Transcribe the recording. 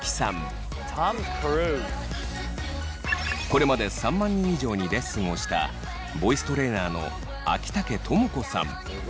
これまで３万人以上にレッスンをしたボイストレーナーの秋竹朋子さん。